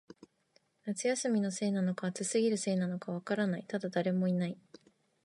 夏休みのせいなのか、暑すぎるせいなのか、わからない、ただ、誰もいない